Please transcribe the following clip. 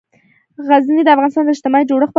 غزني د افغانستان د اجتماعي جوړښت برخه ده.